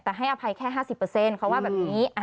แต่ให้อภัยแค่๕๐เขาว่าแบบนี้